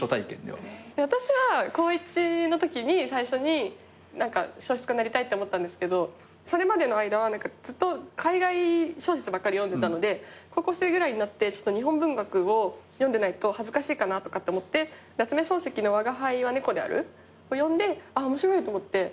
私は高１のときに最初に小説家になりたいって思ったんですけどそれまでの間はずっと海外小説ばっかり読んでたので高校生ぐらいになって日本文学を読んでないと恥ずかしいかなとかって思って夏目漱石の『吾輩は猫である』を読んで面白いと思って。